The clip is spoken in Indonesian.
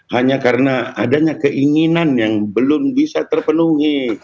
hanya karena adanya keinginan yang belum bisa terpenuhi